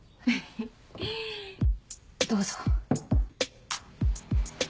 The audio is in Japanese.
どうぞ。